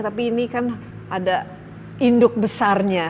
tapi ini kan ada induk besarnya